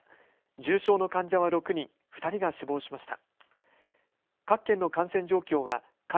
重症の患者は６人、２人が死亡しました。